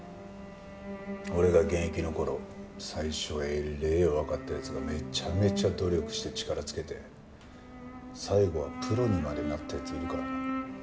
俺が現役の頃最初えれえ弱かった奴がめちゃめちゃ努力して力つけて最後はプロにまでなった奴いるから。